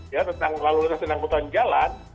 ya tentang lalu lintas dan angkutan jalan